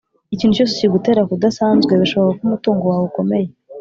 ikintu cyose kigutera kudasanzwe birashoboka ko umutungo wawe ukomeye.